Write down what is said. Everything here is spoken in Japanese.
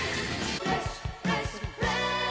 フレッシュ！」